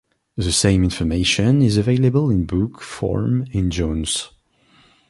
The same information is available in book form in Jones.